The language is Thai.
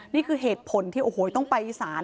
นี่คือเหตุผลที่โอ้โหต้องไปสาร